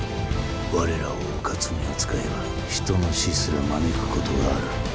我らをうかつに扱えば人の死すら招くことがある。